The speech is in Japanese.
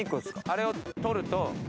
あれを取ると。